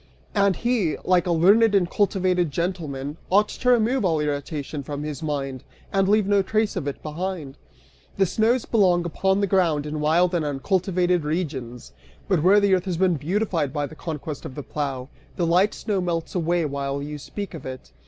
And he, like a learned and cultivated gentleman, ought to remove all irritation from his mind, and leave no trace of it behind. The snows belong upon the ground in wild and uncultivated regions, but where the earth has been beautified by the conquest of the plough, the light snow melts away while you speak of it.